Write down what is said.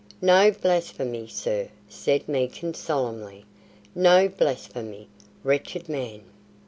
"No blasphemy, sir," said Meekin, solemnly. "No blasphemy, wretched man.